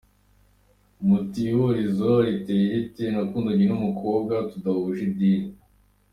Muti ihurizo riteye rite? Nakundanye n’ umukobwa tudahuje idini.